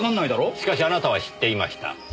しかしあなたは知っていました。